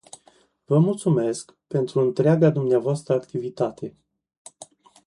Vă mulțumesc pentru întreaga dvs. activitate.